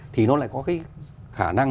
thì nó lại có cái khả năng